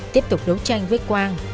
tiếp tục đấu tranh với quang